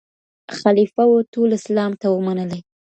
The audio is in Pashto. خلیفه و ټول اسلام ته و منلی